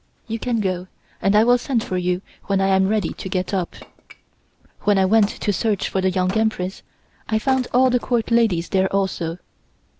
You can go, and I will send for you when I am ready to get up." When I went to search for the Young Empress I found all the Court ladies there also.